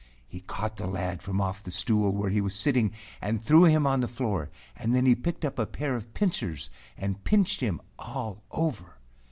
He caught the lad from off the stool where he was sitting and threw him on the floor and then he picked up a pair of pincers and pinched him all over.